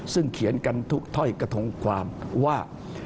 ซึ่งเขียนกันทุกถ้อยกระทงความว่า